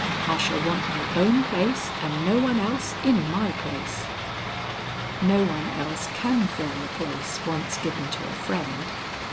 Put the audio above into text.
I shall want my own place and no one else in my place." "No one else can fill the place once given to a friend.